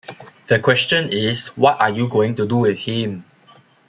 The question is: What are you going to do with him?